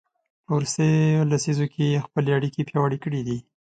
په وروستیو لسیزو کې یې خپلې اړیکې پیاوړې کړي دي.